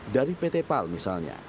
dari pt pal misalnya